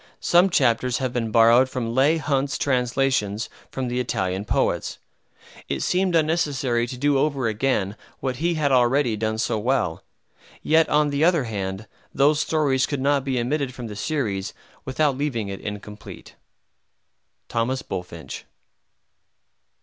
Some chapters have been borrowed from Leigh Hunt's Translations from the Italian Poets. It seemed unnecessary to do over again what he had already done so well; yet, on the other hand, those stories could not be omitted from the series without leaving it incomplete. THOMAS BULFINCH.